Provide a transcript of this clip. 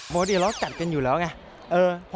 พอเดี๋ยวเรากัดกันอยู่แล้วไง